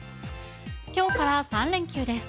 きょうから３連休です。